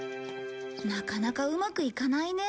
なかなかうまくいかないね。